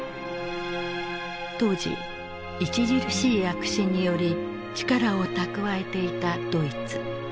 当時著しい躍進により力を蓄えていたドイツ。